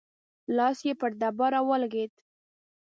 لاس يې پر ډبره ولګېد.